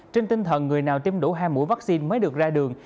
trên tinh thần người nào tiêm đủ hai mũi vaccine mới được ra đường